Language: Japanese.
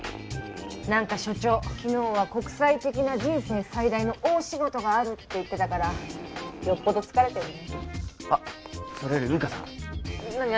何か所長昨日は国際的な人生最大の大仕事があるって言ってたからよっぽど疲れてるのねあっそれよりウイカさん何何？